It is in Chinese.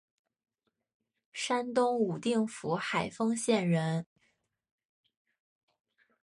山东武定府海丰县人。